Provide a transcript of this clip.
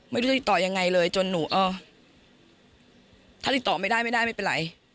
ไม่รู้จะติดต่อยังไงเลยจนหนูเออถ้าติดต่อไม่ได้ไม่ได้ไม่เป็นไร